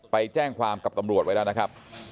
ไปแจ้งความกับตำรวจไว้แล้วนะครับ